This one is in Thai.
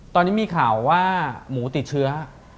ตอนนี้มีข่าวว่าหมูติดเชื้อ